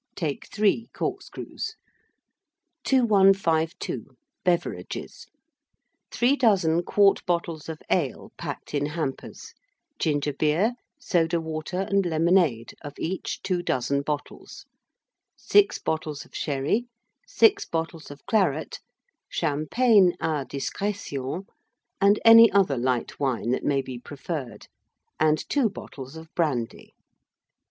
Take 3 corkscrews. 2152. Beverages. 3 dozen quart bottles of ale, packed in hampers; ginger beer, soda water, and lemonade, of each 2 dozen bottles; 6 bottles of sherry, 6 bottles of claret, champagne à discrétion, and any other light wine that may be preferred, and 2 bottles of brandy.